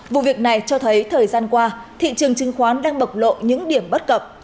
vụ việc này cho thấy thời gian qua thị trường chứng khoán đang bộc lộ những điểm bất cập